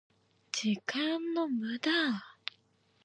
時間の無駄